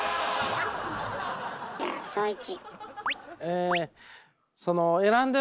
じゃあ創一。